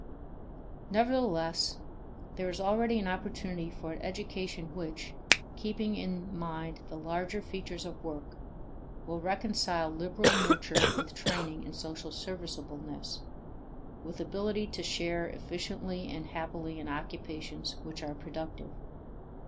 Nevertheless, there is already an opportunity for an education which, keeping in mind the larger features of work, will reconcile liberal nurture with training in social serviceableness, with ability to share efficiently and happily in occupations which are productive.